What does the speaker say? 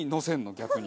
逆に。